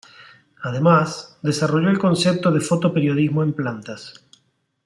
Además, desarrolló el concepto de fotoperiodismo en plantas.